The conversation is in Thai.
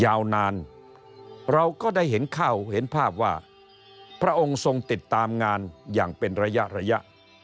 ยาวนานเราก็ได้เห็นเข้าเห็นภาพว่าพระองค์ทรงติดตามงานอย่างเป็นระยะระยะ